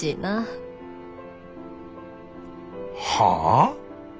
はあ？